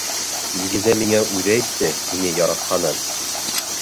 — Илгизә миңә үҙе әйтте һине яратҡанын!